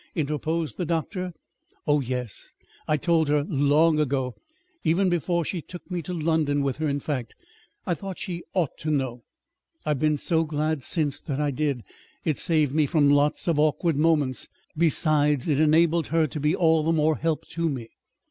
interposed the doctor. "Yes, oh, yes. I told her long ago even before she took me to London with her, in fact. I thought she ought to know. I've been so glad, since, that I did. It saved me from lots of awkward moments. Besides, it enabled her to be all the more help to me."